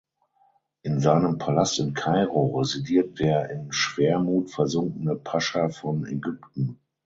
In seinem Palast in Kairo residiert der in Schwermut versunkene Pascha von Ägypten.